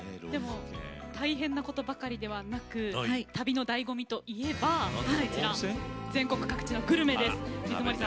でも大変なことばかりではなく旅のだいご味といえば全国各地のグルメです。